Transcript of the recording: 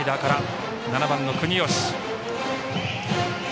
７番の國吉。